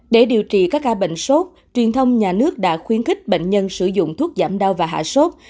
để điều trị các ca bệnh sốt truyền thông nhà nước đã khuyến khích bệnh nhân sử dụng thuốc giảm đau và hạ sốt